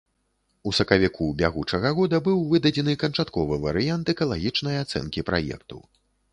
У сакавіку бягучага года быў выдадзены канчатковы варыянт экалагічнай ацэнкі праекту.